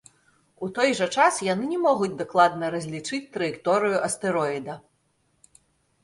У той жа час яны не могуць дакладна разлічыць траекторыю астэроіда.